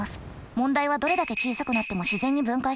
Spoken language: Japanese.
問題はどれだけ小さくなっても自然に分解しないこと。